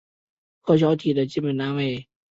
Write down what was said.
核小体的基本单位。